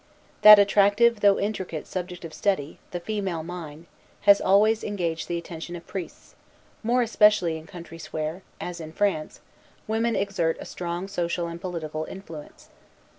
That attractive, though intricate, subject of study, the female mind, has always engaged the attention of priests, more especially in countries where, as in France, women exert a strong social and political influence.